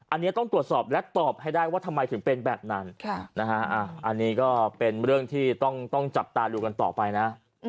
อันนี้ต้องตรวจสอบและตอบให้ได้ว่าทำไมถึงเป็นแบบนั้นอันนี้ก็เป็นเรื่องที่ต้องจับตาดูกันต่อไปนะ